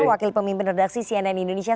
wakil pemimpin redaksi cnn indonesia